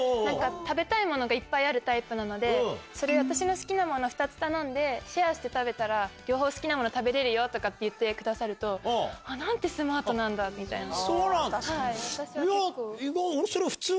食べたいものがいっぱいあるタイプなので、私が好きなもの２つ頼んで、シェアして食べたら、両方好きなの食べれるよって言ってくださると、なんてスマートなそうなの？